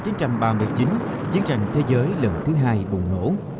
năm một nghìn chín trăm ba mươi chín chiến tranh thế giới lần thứ hai bùng nổ